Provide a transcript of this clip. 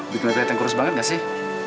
bikin lihat yang kurus banget gak sih